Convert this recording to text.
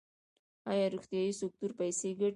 آیا روغتیايي سکتور پیسې ګټي؟